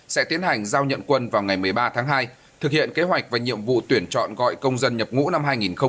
sẽ tiến hành giao nhận quân vào ngày một mươi ba tháng hai thực hiện kế hoạch và nhiệm vụ tuyển chọn gọi công dân nhập ngũ năm hai nghìn hai mươi